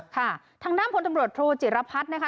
ค่ะทางด้านพลตำรวจโทจิรพัฒน์นะคะ